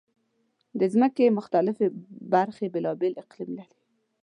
د ځمکې مختلفې برخې بېلابېل اقلیم لري.